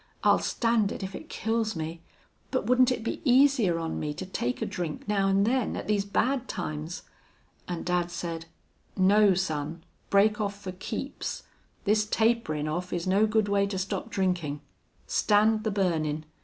I'll stand it, if it kills me.... But wouldn't it be easier on me to take a drink now and then, at these bad times?'... And dad said: 'No, son. Break off for keeps! This taperin' off is no good way to stop drinkin'. Stand the burnin'.